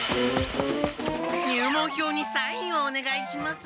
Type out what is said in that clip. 入門票にサインをおねがいします。